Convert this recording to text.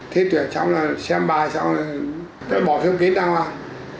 thi tuyển xong là xem bài xong là bỏ phim kỹ ra ngoan